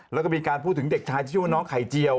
แล้วก็มีการพูดถึงเด็กชายชื่อว่าน้องไข่เจียว